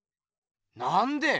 なんで？